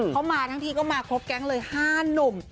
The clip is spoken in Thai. เขามาทั้งทีก็มาครบแก๊งเลย๕หนุ่ม